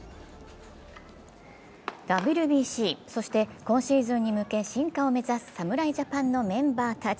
ＷＢＣ、そして今シーズンに向け進化を目指す侍ジャパンのメンバーたち。